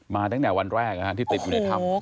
ตั้งแต่วันแรกที่ติดอยู่ในถ้ำ